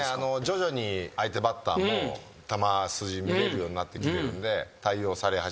徐々に相手バッターも球筋見えるようになってきてるんで対応され始めた。